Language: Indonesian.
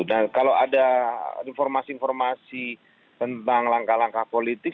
dan kalau ada informasi informasi tentang langkah langkah politik